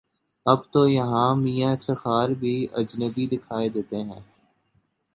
اب تویہاں میاں افتخار بھی اجنبی دکھائی دیتے ہیں۔